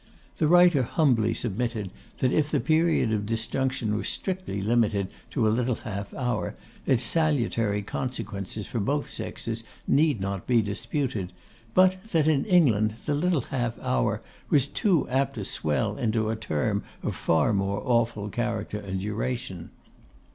The writer humbly submitted, that if the period of disjunction were strictly limited to a 'little half hour,' its salutary consequences for both sexes need not be disputed, but that in England the 'little half hour' was too apt to swell into a term of far more awful character and duration.